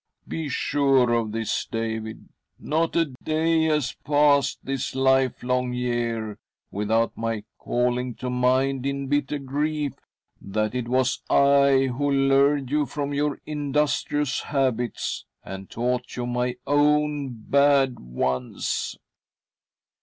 Be sure of this, David ; not a day has passed, this livelong year, without my calling to mind in bitter grief that it was I who lured' you from your in dustrious habits and taught you my own bad ones.